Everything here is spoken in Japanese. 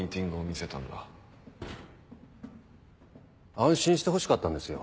安心してほしかったんですよ。